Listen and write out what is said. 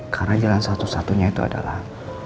karena jalan satu satunya itu adalah